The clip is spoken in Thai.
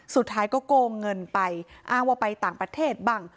สุดท้ายก็โกงเงินไปอ้างว่าไปต่างประเทศบ้าง